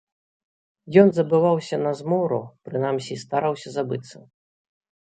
Ён забываўся на змору, прынамсі, стараўся забыцца.